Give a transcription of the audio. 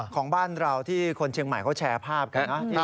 ของบ้านเราที่คนเชียงใหม่เขาแชร์ภาพกันนะ